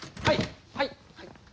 はいはい。